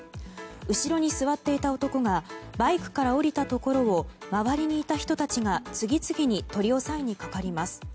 後ろに座っていた男がバイクから降りたところを周りにいた人たちが次々に取り押さえにかかります。